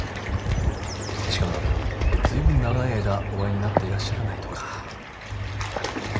しかももう随分長い間お会いになっていらっしゃらないとか。